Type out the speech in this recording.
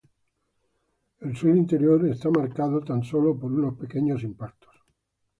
El suelo interior está marcado tan solo por unos pequeños impactos.